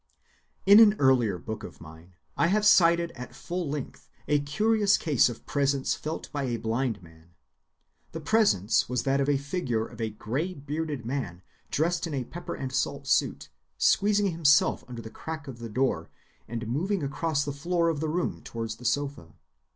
In an earlier book of mine I have cited at full length a curious case of presence felt by a blind man. The presence was that of the figure of a gray‐bearded man dressed in a pepper and salt suit, squeezing himself under the crack of the door and moving across the floor of the room towards a sofa.